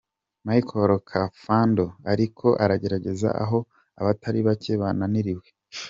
Michel Kafando ariko aragerageza aho abatari bake bananiriwe.